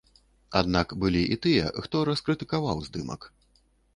Аднак былі і тыя, хто раскрытыкаваў здымак.